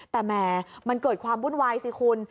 แต่แหมมันเกิดความวุ่นวายสิคุณ